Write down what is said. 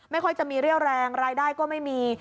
ไม่ค่อยจะมีเรี่ยวแรงรายได้ก็ไม่มี